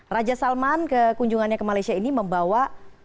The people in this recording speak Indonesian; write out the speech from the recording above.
raja salman ke kunjungannya ke malaysia ini membawa